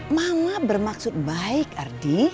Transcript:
mama bermaksud baik ardi